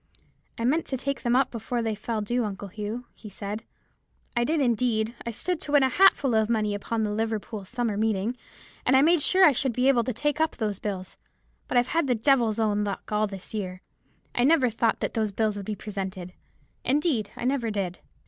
'I meant to take them up before they fell due, Uncle Hugh,' he said. 'I did, indeed; I stood to win a hatful of money upon the Liverpool Summer Meeting, and I made sure I should be able to take up those bills: but I've had the devil's own luck all this year. I never thought those bills would be presented; indeed, I never did.'